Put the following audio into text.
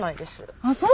ああそう？